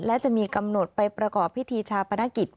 และจะมีกำหนดไปประกอบพิธีชาปนกิจ